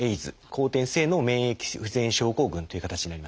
後天性の免疫不全症候群という形になりますね。